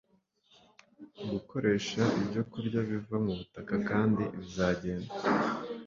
gukoresha ibyokurya biva mu butaka kandi bazagenda